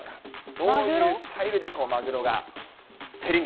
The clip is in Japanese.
どういうスタイルでマグロが競りに。